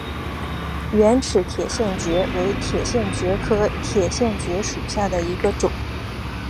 圆齿铁线蕨为铁线蕨科铁线蕨属下的一个种。